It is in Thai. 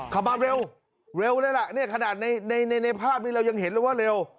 ขับมาเร็วเร็วเลยล่ะเนี่ยขนาดในในภาพนี้เรายังเห็นเลยว่าเร็ว